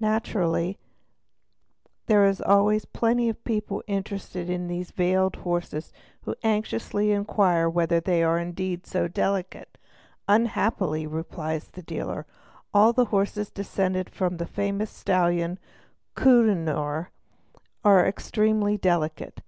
Naturally there are always plenty of people interested in these veiled horses who anxiously inquire whether they are indeed so delicate; "unhappily", replies the dealer, ''all the horses descended from the famous stallion Kohinoor are extremely delicate'"'.